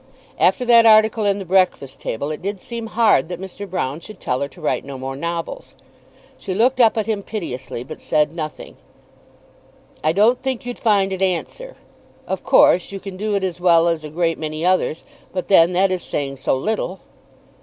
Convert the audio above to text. After that article in the "Breakfast Table," it did seem hard that Mr. Broune should tell her to write no more novels. She looked up at him piteously but said nothing. "I don't think you'd find it answer. Of course you can do it as well as a great many others. But then that is saying so little!"